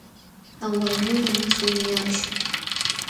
Tanwanuymi suni akshu